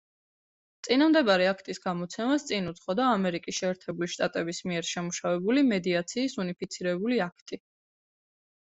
წინამდებარე აქტის გამოცემას წინ უძღოდა ამერიკის შეერთებული შტატების მიერ შემუშავებული „მედიაციის უნიფიცირებული აქტი“.